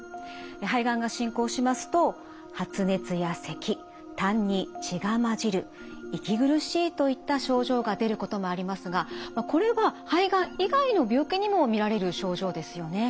肺がんが進行しますとといった症状が出ることもありますがまあこれは肺がん以外の病気にも見られる症状ですよね？